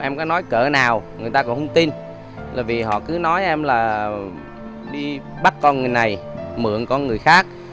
em có nói cỡ nào người ta còn không tin là vì họ cứ nói em là đi bắt con người này mượn con người khác